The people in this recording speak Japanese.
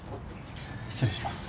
失礼します。